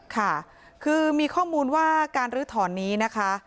ค่ะคือมีข้อมูลว่าการลื้อถอนนี้นะคะ